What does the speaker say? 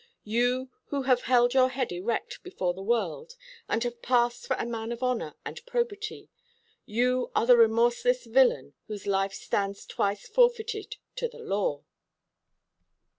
You, who have held your head erect before the world, and have passed for a man of honour and probity, you are the remorseless villain whose life stands twice forfeited to the law.'"